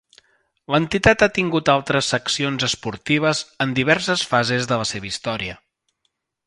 L'entitat ha tingut altres seccions esportives en diverses fases de la seva història.